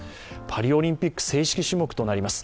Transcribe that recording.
パリオリンピック、正式種目となります。